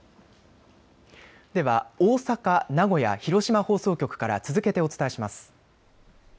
では大阪、名古屋、広島放送局から続けてお伝えします。